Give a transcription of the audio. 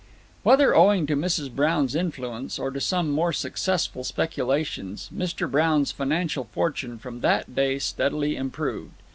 Whether owing to Mrs. Brown's influence, or to some more successful speculations, Mr. Brown's financial fortune from that day steadily improved.